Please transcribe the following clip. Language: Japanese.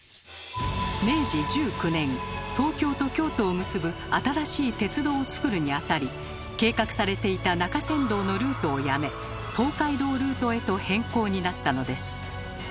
明治１９年東京と京都を結ぶ新しい鉄道をつくるにあたり計画されていた中山道のルートをやめ東海道ルートへと変更になったのです。